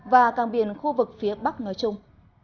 và cảng biển khu vực phía bắc nói chung